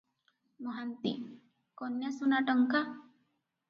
ମହାନ୍ତି- କନ୍ୟାସୁନା ଟଙ୍କା?